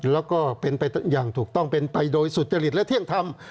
แล้วก็เป็นไปอย่างถูกต้องเป็นไปโดยสุจริตและเที่ยงธรรม